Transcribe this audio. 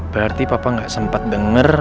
berarti papa gak sempat denger